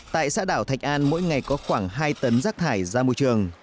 tại xã đảo thạch an mỗi ngày có khoảng hai tấn rác thải ra môi trường